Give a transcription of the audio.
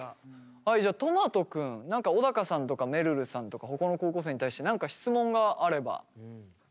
はいじゃあとまと君何か小高さんとかめるるさんとかほかの高校生に対して何か質問があれば。